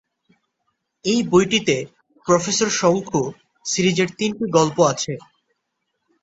এই বইটিতে প্রোফেসর শঙ্কু সিরিজের তিনটি গল্প আছে।